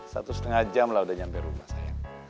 satu setengah jam lah udah nyampe rumah saya